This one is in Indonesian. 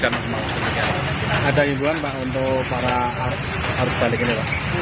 ada imbulan pak untuk para arus balik ini pak